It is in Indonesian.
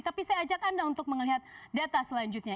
tapi saya ajak anda untuk melihat data selanjutnya